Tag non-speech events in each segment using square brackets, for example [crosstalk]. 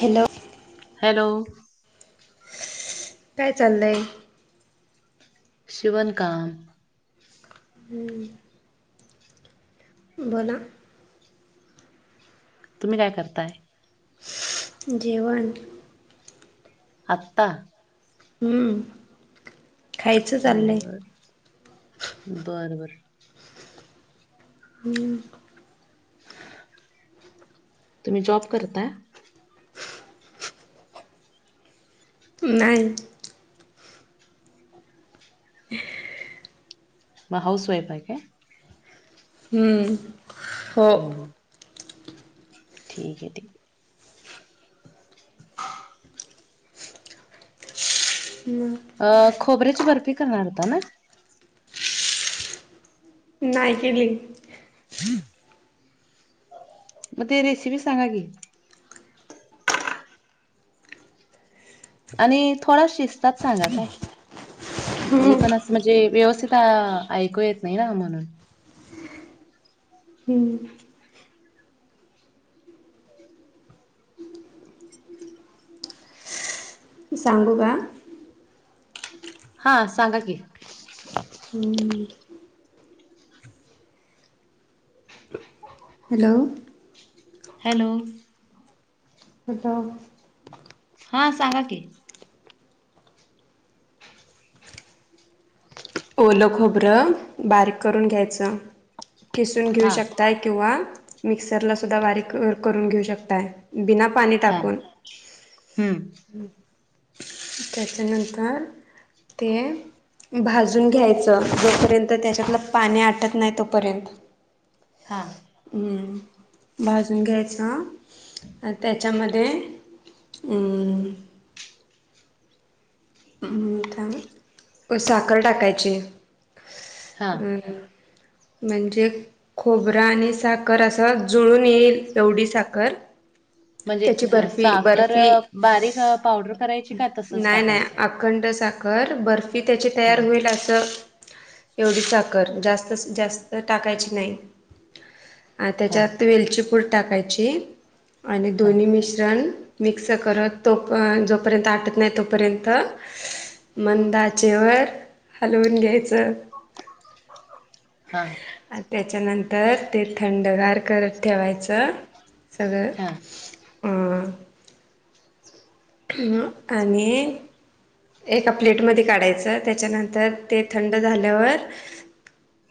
Hello hello कायं चाललंय शिवणं कामं हम्मं बोलां तुम्हीं कायं करतांय जेवणं आत्तां हम्मं बरं बरं बरं हम्म तुम्हीं जॉब करतां नाहीं मंग हौऊस वाईफ आहे कां हम्मं हम [unintelligible] ठींक आहे ठीक हम्म, अ खोबरेची बर्फी करणारं होतां नां नाहीं केली [unintelligible] हम्मं मंग ते रेसिपी सांगा की आणि थोडां शिस्तांत सांगा कायं नाहीं पणं असं म्हणजे व्यवस्थितं ऐकू येतं नाहीं नां आम्हांला हम्मं सांगू कां हां सांगा की हम्मं हम्मं हम्मं हॅलो हॅलो. कुठं? हा सांगा की ओलं खोबरं बारीक करून घ्यायचं. किसून घेऊ हा शक ता किंवा मिक्सरला ला सुद्धा बारीक करून घेऊ शकताय. बिना पाणी हा टाकून हम्म त्याच्यानंतर ते अ भाज जून घ्यायच. जोपर्यंत त्याच्यातलं पाणी आटत नाही तोपर्यंत हा. हम्म भाजून घ्यायच ह. अ त्याच्यामध्ये उं. उम त्या साखर टाकायची. हा अ अ. म्हणजे खोबर आणि साखर असं जुळून येईल, एवढी साखर म्हणजे त्याची अ बर्फी साखर बर्फी बारीक पावडर करायची का तसंच नाही नाही टाकायचं? अखंड साखर, बर्फी त्याची तयार हां, होईल अस. एवढी साखर जास्त जास्त टाकायची नाही. हा हां, त्याच्यात वेलची पूड टाकायची आणि हां, दोन्ही मिश्रण मिक्स करत तो, जोपर्यंत आटत नाही तोपर्यं त मंद आचेवर हलवून घ्यायचं. हा. आणि त्याच्यानंतर ते थंडगार करत ठेवायचं, सगळं हा. अ हुं. आणि अ. एका प्लेटमध्ये काढायचं, त्याच्यानंतर ते थंड झाल्यावर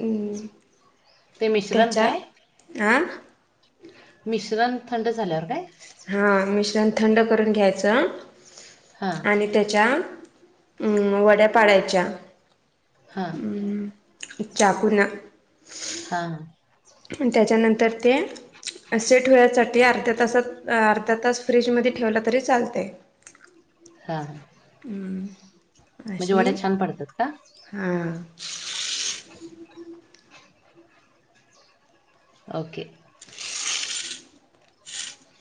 उम्. ते मिश्रण त्याच्या काय? आ. मिश्रण थंड झाल्यावर काय? हा मिश्रण थंड करून घ्यायच हां, आणि त्याच च्या वड्या पाडायच्या. हां, उम् चाकू न. हा. आणि त्याच्यानंतर ते सेट होयासाठी अर्ध्या तासात अर्धा तास फ्रीजमध्ये ठेवला तरी चालतंय. हा. उम्. म्हणजे वड्या छान पडतात का? हा. ओके.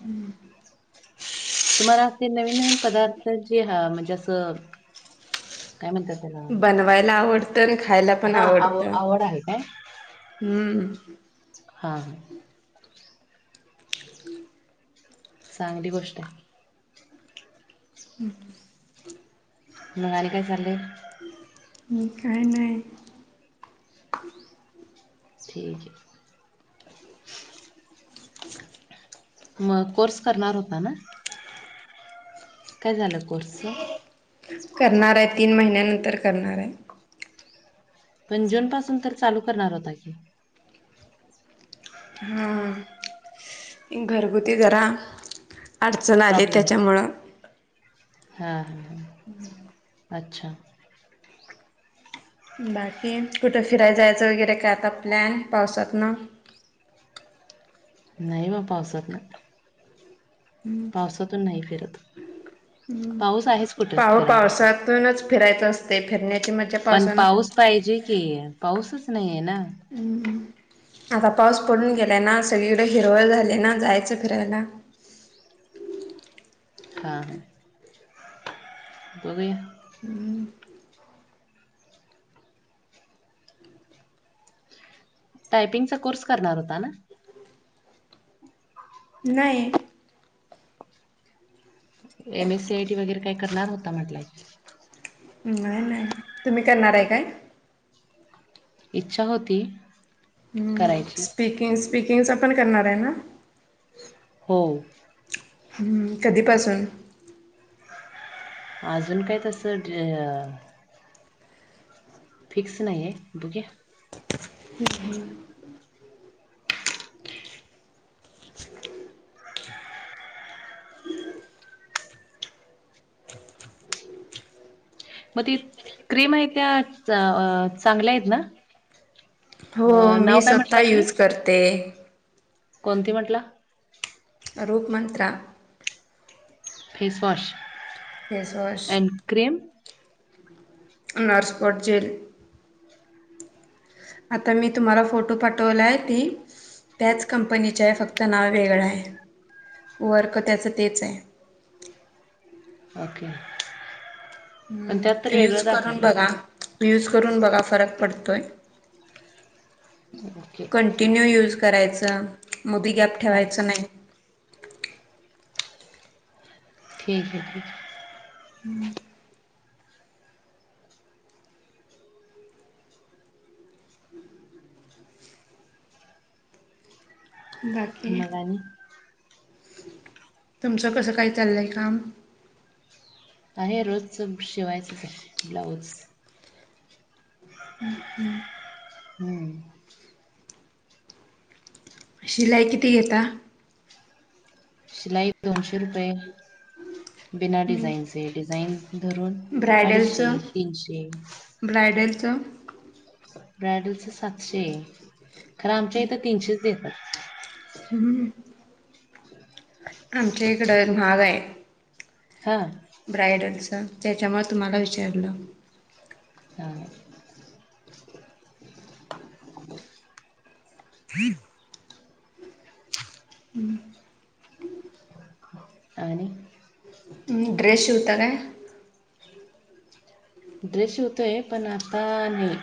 हुं. तुम्हाला ते नवीन नवीन पदार्थ जे हा, म्हणजे आस बनवायला आवडतं आणि खायला पण हां, आव आवडत. आवड आहे हुं. हा हा. चांगली गोष्ट हाय. हम्. म आणि काय चाललय? काय नाही. ठीक ए. मग कोर्स करणार होता ना, काय झालं कोर्सच? करणार आहे तीन महिन्यानंतर करणार आहे. पण जून पासून तर चालू करणार होता की? हा हंग घरगुती जरा अडचण आली त्याच्यामुळं. हा, हा. हम्म! अच्छा! बाकी कुठं फिराय जायचं वगैरे काय आता प्लॅन पावसात न. नाही वा पावसात न पावसातून नाही फिरत. पाऊस आहेच कुठं पा पा फिरायला. पावसातूनच फिरायचं असते फिरण्याची मज्जा पण पावसानं पाऊस पाहिजे की पाऊसच नाहीे आहे ना. आता पाऊस पडून गेलाय ना, सगळीकडे हिरवळ झाली ना जायचं फिरायला. हा. बघुया. हम्म! टायपिंगचा कोर्स करणार होता ना? नाही. एम एस सी आयटी वगैरे काय करणार होता म्हटला. नाही नाही, तुम्ही करणार आहे काय? इच्छा होती. ह् करायची. स्पीकिंग स्पीकिंगच पण करणार आहे ना? हो. ह कधीपासून. अजून काय तसं ते फिक्स नाही आहे बघुया. [unintelligible] मग त क्रीम आहेत त्या चांगल्या आहेत ना. हो अ, नाव मी काय स्वतः म्हटला तुम्ही? यूज करते. कोणती म्हटला? रूपमंतंत्रा. फेसवाश. फेसवाश. क्रिम. होटपोटजेल. आता मी तुम्हाला फोटो पाठवलाय ती त्याच कंपनीच्या आहे, फक्त नाव वेगळं आहे, वर्क त्याचं तेच आहे. ओके! पण त्यात हम् तर यूज वेगळं करून बघा दाखवले यूज करून बघा फरक पडतोय. ओके कंटिन्यू युज करायचं मदी गॅप हां ठेवायचं नाही. ठीक आहे ठीक. हम्म! आहे. बाकी मग आणि तुमचं कसं काय चाललंय काम? आहे रोजच शिवायचं त ब्लाऊज. ह ह. हम्म! शिलाई कती घेता. सलाई दोनशे रुपये बिना मी डिझाइनचे डिझाईन धरून अडीचशे, तीनशे ब्रायडलच. ब्रायडलचं सातशे. खरं आमच्या इथं तीनशेच देतात. हम्म. आमच्या इकडं महागाय. हां. ब्रायडलच. त्याच्यामुळे तुम्हाला विचारलं. हा. [inaudible] हम्. आणि तुम्ही, ड्रेश शिवता काय? ड्रेस शीवतोय. पण आता नाही.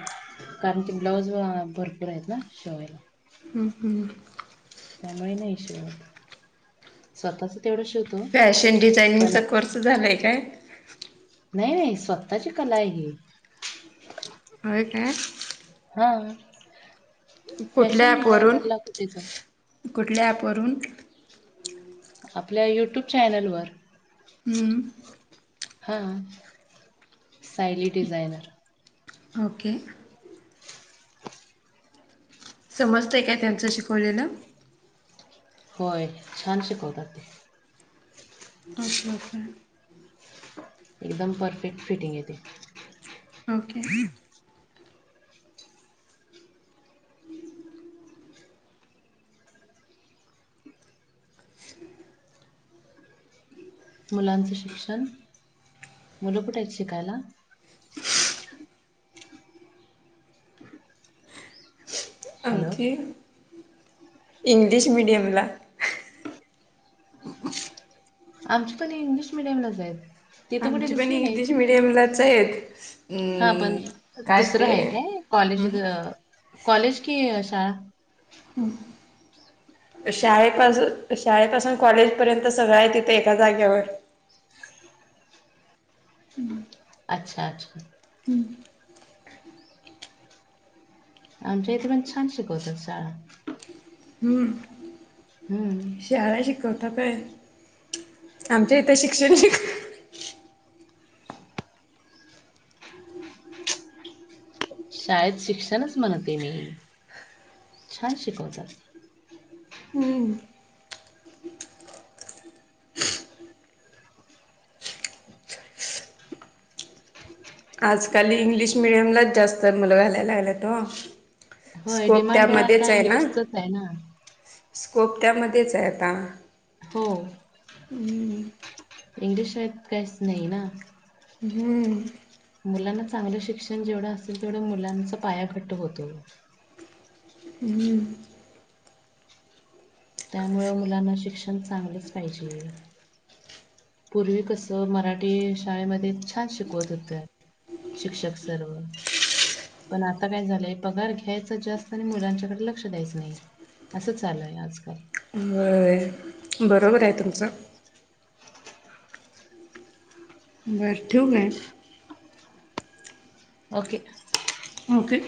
कारण की, ब्लाऊज अ भरपूर आहेत ना. शेवायला. हम्, हम्. त्यामुळे नाही शेवत. स्वतःच तेवढं शिव फॅशन डिझायनिंगचा कोर्स झालाय काय? नाही -. स्वतःची कलाय ही. होय, काय? हा. कुठल्या फॅशन ॲपवरून डिझायनरला कुठे, जाऊ? कुठल्या, ॲपपवरुन? आपल्या युट्यूब चॅनलवर. हम्म. हां. सायली डिझायनर. ओके. समजतंय काय, त्यांचं शिकवलेलं? होय. छान शिकवतात ते. Okay- okay. एकदम परफेक्ट फिटिंग येते. ओके. [inaudible] [inaudible] मुलांचं शिक्षण. मुलं कुठेयत, शिकायला? हॅलो आणखी. इंग्लिश मिडियमला. आमची पण इंग्लिश मिडियमलाचयत. तिथे कुठे दिसली नाही. के म लाचयेत. हा पण, दुसरं हाय काय? कॉलेज हम्म ग कॉलेज की शाळा? हं. शाळेपासू- शाळेपासून कॉलेजपर्यंत. सगळं हाय तिथे, एका जाग्यावर. अच्छा- अच्छा. हम्म. आमच्या इथं पण छान शिकवतात, शाळा. हम्. हम्म. शाळा शिकव ताय. आमच्या इथं, शिक्षण शिकव [inaudible] शाळेत शिक्षणच म्हणते मी. छान शिकवतात. हम्. आजकाल इंग्लिश मिडियमलाच, जास्त तर मुलं घालायला लागल्यात, ओ. होय स्कोप डिमांड आता त्यामध्येचय ना. इंग्लिशचच आहे ना. स्कोप त्यामध्येचय आता. हो. हम्म इंग्लिश शिवाय त काहीच नाही, ना. हम्म. मुलांना चांगलं शिक्षण जेवढं असेल. तेवढं, मुलांचा पाया घट्ट होतो. हम्म. त्यामुळं, मुलांना शिक्षण चांगलच पाहिजे. पूर्वी कसं, मराठी शाळेमध्ये छान शिकवत होते. शिक्षक सर्व. पण आता काय झालंय, पगार घ्यायचा जास्त. आणि मुलांच्याकडे लक्ष द्यायचं नाही. असं झालंय आजकाल. व्हय. बरोबरे तुमचं. बर ठेवू काय? ओके. ओके.